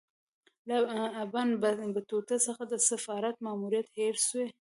له ابن بطوطه څخه د سفارت ماموریت هېر سوی.